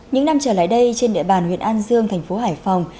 những năm trở lại đây trên địa bàn huyện an dương tp hải phòng